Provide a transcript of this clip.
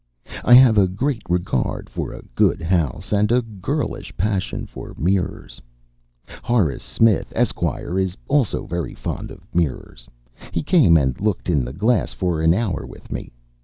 I have a great regard for a good house, and a girlish passion for mirrors. Horace Smith, Esq., is also very fond of mirrors. He came and looked in the glass for an hour with me.